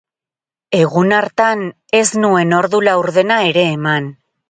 Egun hartan ez nuen ordu laurdena ere eman.